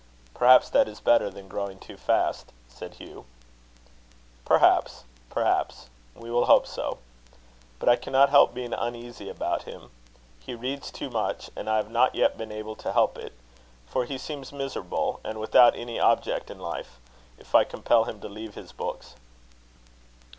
"Perhaps that is better than growing too fast," said Hugh. "Perhaps perhaps; we will hope so. But I cannot help being uneasy about him. He reads too much, and I have not yet been able to help it; for he seems miserable, and without any object in life, if I compel him to leave his books."